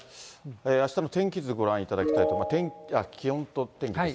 あしたの天気図、ご覧いただきたいと思います。